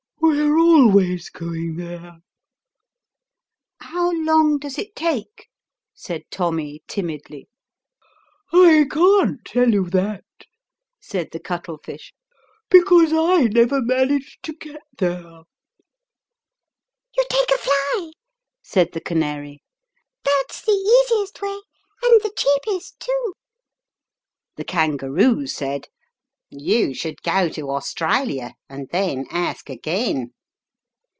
We're always going there." " How long does it take? " said Tommy timidly. "I can't tell you that," said the cuttle fish, And the crocodile " thinks different" 39 " because I never managed to get there." "You take a fly/' said the canary, ''that's the easiest way, and the cheapest too." The kangaroo said, "You should go to Australia and then ask again."